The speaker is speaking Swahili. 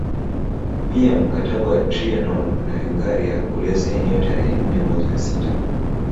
Pia mkataba wa Trianon na Hungaria uliosainiwa tarehe nne mwezi wa sita